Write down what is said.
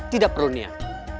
tidak perlu niat